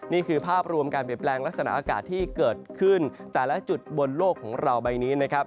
นี่คือภาพรวมการเปลี่ยนแปลงลักษณะอากาศที่เกิดขึ้นแต่ละจุดบนโลกของเราใบนี้นะครับ